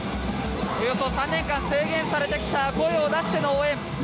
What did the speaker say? およそ３年間制限されてきた声を出しての応援。